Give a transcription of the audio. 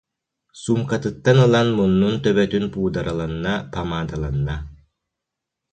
суумкатыттан ылан муннун төбөтүн пуудараланна, памаадаланна